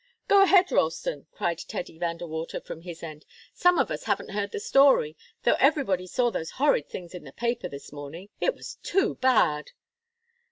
"Go ahead, Ralston!" cried Teddy Van De Water, from his end. "Some of us haven't heard the story, though everybody saw those horrid things in the papers this morning. It was too bad!"